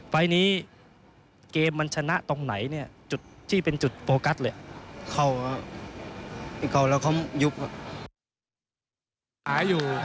ไปนี้เกมมันชนะตรงไหนเนี่ยจุดที่เป็นจุดโปรกัสเลย